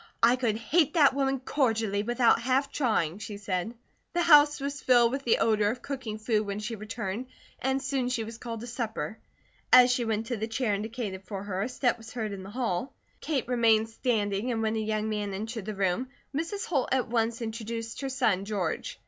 "I could hate that woman cordially without half trying," she said. The house was filled with the odour of cooking food when she returned and soon she was called to supper. As she went to the chair indicated for her, a step was heard in the hall. Kate remained standing and when a young man entered the room Mrs. Holt at once introduced her son, George.